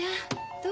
どう？